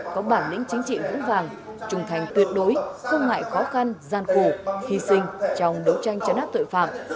có bản lĩnh chính trị vững vàng trung thành tuyệt đối không ngại khó khăn gian khổ hy sinh trong đấu tranh chấn áp tội phạm